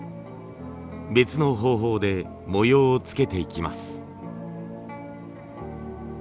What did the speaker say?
別の方法で模様をつけていきます。